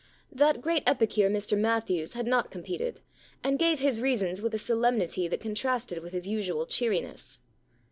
That great epicure, Mr Matthews, had not competed, and gave his reasons with a solemnity that contrasted with his usual cheeriness.